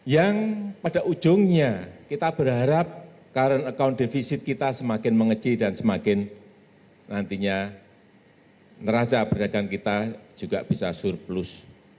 yang pada ujungnya kita berharap current account defisit kita semakin mengecil dan semakin nantinya neraca perdagangan kita juga bisa surplus